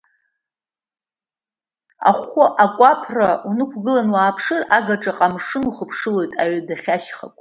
Ахәы акәаԥра унықәгыланы уааԥшыр агаҿаҟа, амшын ухыԥшылоит, уҩадахьы ашьхақәа…